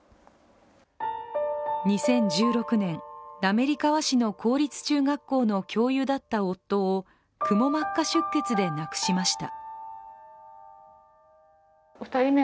２０１６年、滑川市の公立中学校の教諭だった夫をくも膜下出血で亡くしました。